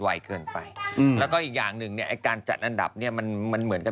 แล้วก็ทะเลาะกันไปมา